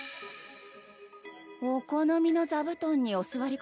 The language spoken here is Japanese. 「お好みの座布団にお座り下さい」？